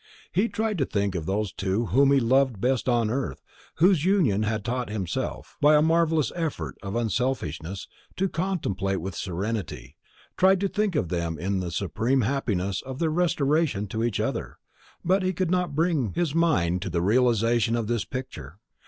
He tried to think of those two whom he loved best on earth, whose union he had taught himself, by a marvellous effort of unselfishness, to contemplate with serenity, tried to think of them in the supreme happiness of their restoration to each other; but he could not bring his mind to the realisation of this picture.